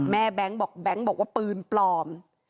แม่แบงค์บอกว่าปืนปลอม